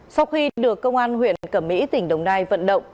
sau khi được công an huyện cẩm mỹ tỉnh đồng nai vận động